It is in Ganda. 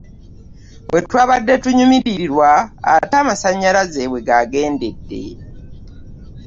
We twabadde tunyumirirwa ate amasannyalaze we gaagendedde.